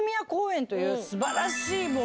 素晴らしい！